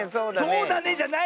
「そうだね」じゃない！